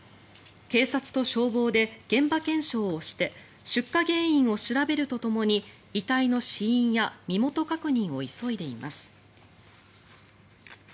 警察と消防で現場検証して出火原因を調べるとともに遺体の死因や身元確認を急いでいます。